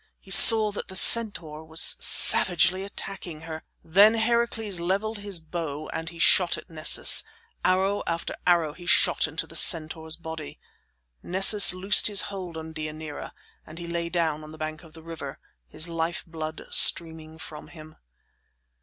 He saw that the centaur was savagely attacking her. Then Heracles leveled his bow and he shot at Nessus. Arrow after arrow he shot into the centaur's body. Nessus loosed his hold on Deianira, and he lay down on the bank of the river, his lifeblood streaming from him.